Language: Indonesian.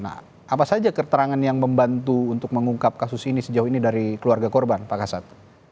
nah apa saja keterangan yang membantu untuk mengungkap kasus ini sejauh ini dari keluarga korban pak kasat